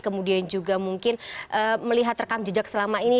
kemudian juga mungkin melihat rekam jejak selama ini